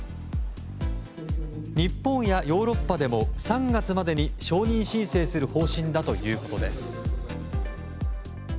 日本やヨーロッパでも３月までに承認申請する方針だということです。